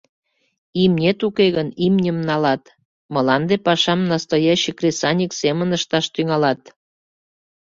Имнет уке гын, имньым налат, мланде пашам настоящий кресаньык семын ышташ тӱҥалат.